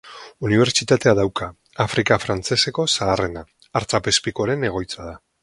Unibertsitatea dauka, Afrika frantseseko zaharrena; artzapezpikuaren egoitza da.